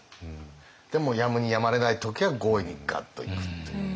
でもやむにやまれない時は強引にガッといくという。